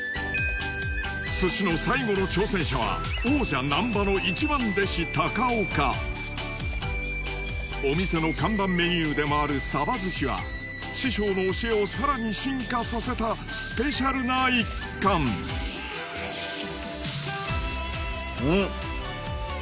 鮨の最後の挑戦者は王者・難波の一番弟子・高岡お店の看板メニューでもあるサバ鮨は師匠の教えをさらに進化させたスペシャルな一貫うん。